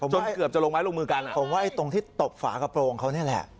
จนให้เกือบจะลงไม้ลงมือกันผมว่าไอ้ตรงที่ตบฝากระโปรงเขานี่แหละ